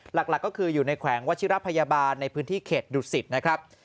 หลักก็คืออยู่ในแขวงวัชิระพยาบาลในพื้นที่เขตดุสิตนะครับ